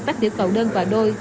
tất tiểu cầu đơn và đôi